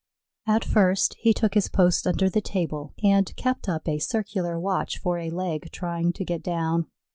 At first he took his post under the table and kept up a circular watch for a leg trying to get down.